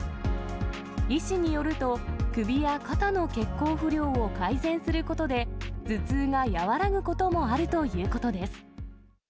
医師によると、首や肩の血行不良を改善することで、頭痛が和らぐこともあるということです。